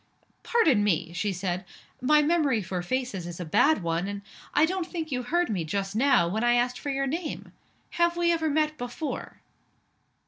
"Pardon me," she said. "My memory for faces is a bad one; and I don't think you heard me just now, when I asked for your name. Have we ever met before?"